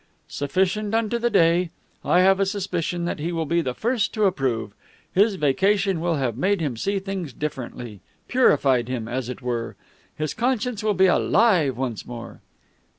"Sufficient unto the day. I have a suspicion that he will be the first to approve. His vacation will have made him see things differently purified him, as it were. His conscience will be alive once more."